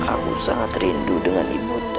aku sangat rindu dengan ibu bunda